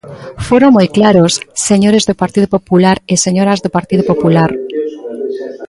Foron moi claros, señores do Partido Popular e señoras do Partido Popular.